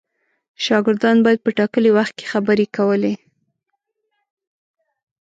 شاګردان باید په ټاکلي وخت کې خبرې کولې.